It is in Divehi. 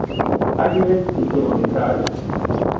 އަދިވެސް އިތުރު މިސާލެއް